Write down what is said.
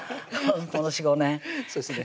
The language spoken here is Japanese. この４５年そうですね